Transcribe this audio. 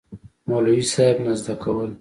مولوي صېب نه زده کول